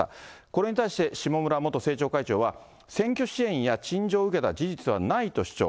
これに対して、下村元政調会長は、選挙支援や陳情を受けた事実はないと主張。